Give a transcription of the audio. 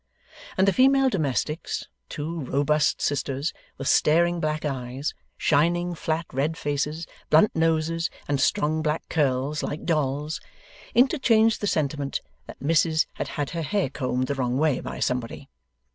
And the female domestics two robust sisters, with staring black eyes, shining flat red faces, blunt noses, and strong black curls, like dolls interchanged the sentiment that Missis had had her hair combed the wrong way by somebody.